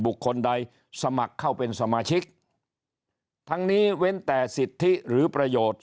บุคคลใดสมัครเข้าเป็นสมาชิกทั้งนี้เว้นแต่สิทธิหรือประโยชน์